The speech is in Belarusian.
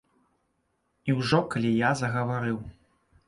І ўжо калі я загаварыў.